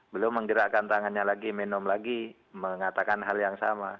belum menggerakkan tangannya lagi minum lagi mengatakan hal yang sama